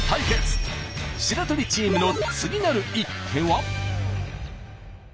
白鳥チームの次なる一手は？